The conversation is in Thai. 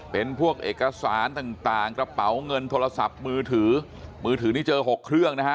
เป็นพวกเอกสารต่างกระเป๋าเงินโทรศัพท์มือถือมือถือนี่เจอ๖เครื่องนะฮะ